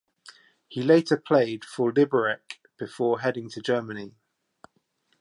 He later played for Liberec before heading to Germany.